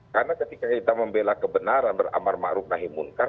karena ketika kita membela kebenaran beramar ma'ruf nahi munkar